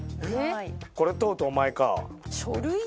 これとうとうお前か。